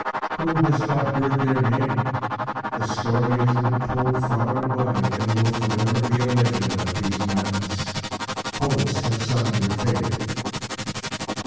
Who has not heard their name? The story has been told far and wide, and will forever be a legend of these mountains. Poets have sung their fate.